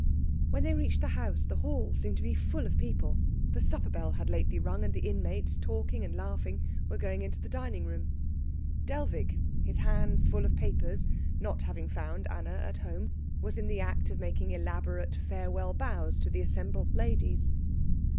When they reached the house, the hall seemed to be full of people. The supper bell had lately rung, and the inmates, talking and laughing, were going into the dining room. Dellwig, his hands full of papers, not having found Anna at home, was in the act of making elaborate farewell bows to the assembled ladies.